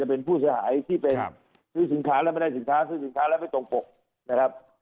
เป็นผู้เสียหายที่เป็นซื้อสินค้าแล้วไม่ได้สินค้าซื้อสินค้าแล้วไม่ตรงปกนะครับ